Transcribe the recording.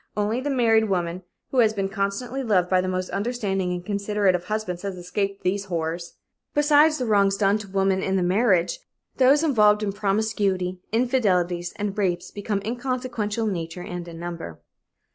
Only the married woman who has been constantly loved by the most understanding and considerate of husbands has escaped these horrors. Besides the wrongs done to women in marriage, those involved in promiscuity, infidelities and rapes become inconsequential in nature and in number.